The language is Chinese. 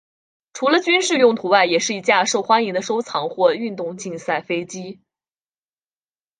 除了军事用途外也是一架受欢迎的收藏或运动竞赛飞机。